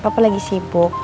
papa lagi sibuk